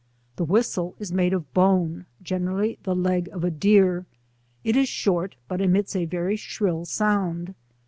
The wnistle is made o$ bone, generally the leg of a deer, it is short but emits a very shrill sound.